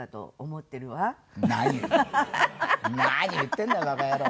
何何言ってんだバカ野郎。